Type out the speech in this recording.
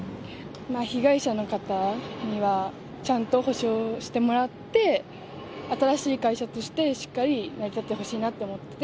被害者の方にはちゃんと補償してもらって、新しい会社としてしっかり成り立ってほしいなと思ってて。